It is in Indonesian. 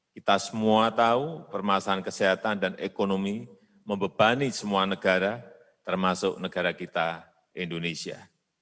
kita semua tahu permasalahan kesehatan dan ekonomi membebani semua negara termasuk negara kita indonesia